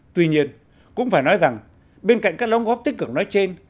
tuy nhiên cũng phải nói rằng bên cạnh các đóng góp tích cực nói trên